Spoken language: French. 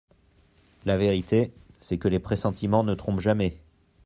La vérité, c'est que les pressentiments ne trompent jamais.